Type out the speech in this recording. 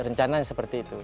rencana seperti itu